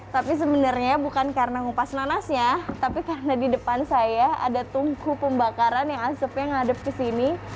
tapi sebenarnya bukan karena ngupas nanasnya tapi karena di depan saya ada tungku pembakaran yang asepnya ngadep kesini